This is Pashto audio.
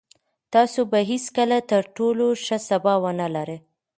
تاسو به هېڅکله تر ټولو ښه سبا ونلرئ.